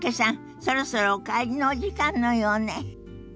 そろそろお帰りのお時間のようね。